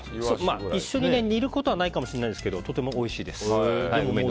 一緒に煮ることはないかもしれないですけどとてもおいしいです。